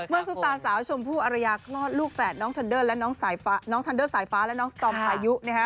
เมื่อสุตาสาวชมพู่อริยากลอดลูกแฟนน้องทันเดอร์สายฟ้าและน้องสตอมอายุ